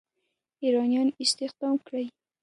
ایرانیان استخدام کړي.